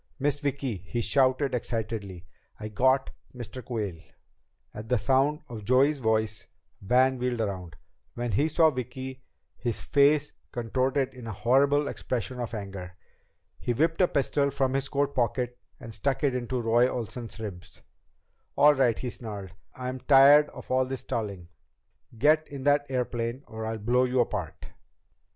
"Miss Vicki," he shouted excitedly, "I got Mr. Quayle!" At the sound of Joey's voice Van wheeled around. When he saw Vicki, his face contorted in a horrible expression of anger. He whipped a pistol from his coat pocket and stuck it in Roy Olsen's ribs. "All right," he snarled, "I'm tired of all this stalling! Get in that airplane or I'll blow you apart!"